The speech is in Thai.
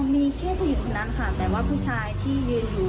มีแค่ผู้หญิงคนนั้นค่ะแต่ว่าผู้ชายที่ยืนอยู่